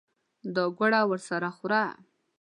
دا ګوړه ورسره خوره.